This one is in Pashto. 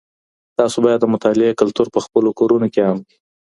تاسو بايد د مطالعې کلتور په خپلو کورونو کي عام کړئ.